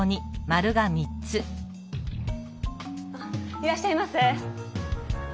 いらっしゃいませ！